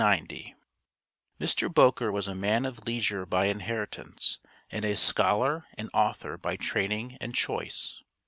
BOKER (1823 1890) Mr. Boker was a man of leisure by inheritance, and a scholar and author by training and choice.